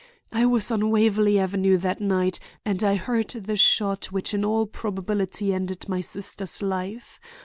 I was on Waverley Avenue that night, and I heard the shot which in all probability ended my sister's life.